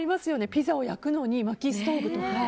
ピザを焼くのにまきストーブとか。